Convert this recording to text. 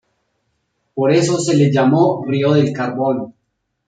Por eso se le llamó "Río del Carbón".